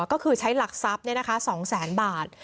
ก็คือใช้หลักทรัพย์นี่นะคะ๒๐๐๐๐๐บาท